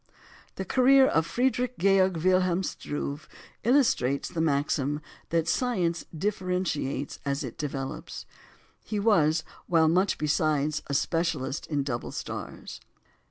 The career of Friedrich Georg Wilhelm Struve illustrates the maxim that science differentiates as it develops. He was, while much besides, a specialist in double stars.